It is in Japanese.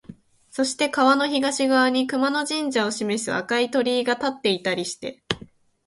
そして川の東側に熊野神社を示す赤い鳥居が立っていたりして、